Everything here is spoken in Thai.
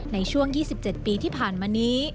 ในช่วง๒๗ปีที่ผ่านมานี้